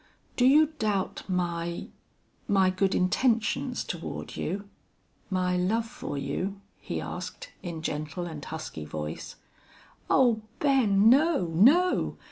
"Do you doubt my my good intentions toward you my love for you?" he asked, in gentle and husky voice. "Oh, Ben! No! No!